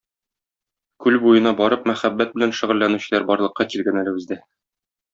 Күл буена барып мәхәббәт белән шөгыльләнүчеләр барлыкка килгән әле бездә.